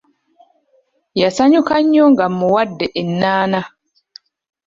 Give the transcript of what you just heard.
Yasanyuka nnyo nga mmuwadde ennaana.